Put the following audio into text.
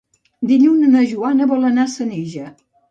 Dilluns na Joana vol anar a Senija.